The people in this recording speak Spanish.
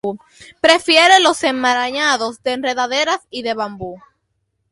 Prefiere los enmarañados de enredaderas y de bambú.